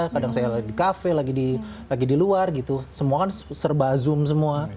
kadang saya lagi di kafe lagi di luar gitu semua kan serba zoom semua